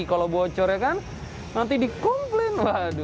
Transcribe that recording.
kalau bocor ya kan nanti dikomplain